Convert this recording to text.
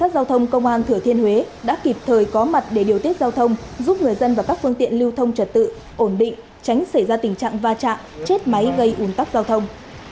giao thông công an thừa thiên huế đã kịp thời có mặt để điều tiết giao thông giúp người dân và các phương tiện lưu thông trật tự ổn định tránh xảy ra tình trạng va chạm chết máy gây ủn tắc giao thông